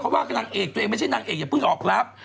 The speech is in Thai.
เขาว่าก่อนนางเอกไม่ใช่นางเอกอย่าเพิ่งออกรับ